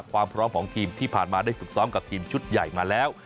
ความพร้อมของทีมที่ผ่านมาได้ฝึกซ้อมกับทีมชุดใหญ่มาแล้ว